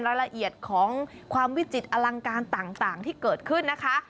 รายละเอียดของความวิจิตรอลังการต่างที่เกิดขึ้นนะคะ